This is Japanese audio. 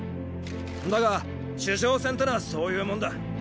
だが守城戦ってのはそういうもんだ。